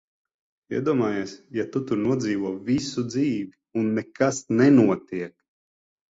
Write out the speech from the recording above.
Iedomājies, ja tu tur nodzīvo visu dzīvi, un nekas nenotiek!